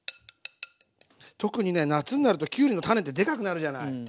特にね夏になるときゅうりの種ってでかくなるじゃない？